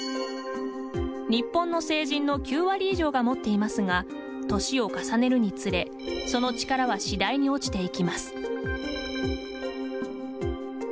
日本の成人の９割以上が持っていますが年を重ねるにつれその力は次第に落ちていきます。